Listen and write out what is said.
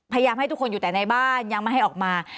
ให้ทุกคนอยู่แต่ในบ้านยังไม่ให้ออกมา